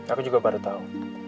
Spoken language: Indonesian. aku juga baru tau